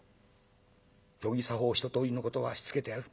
行儀作法一とおりのことはしつけてある。